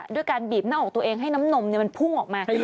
ด้วยการบีบหน้าอกตัวเองให้น้ำนมมันพุ่งออกมา